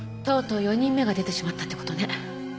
とうとう４人目が出てしまったって事ね。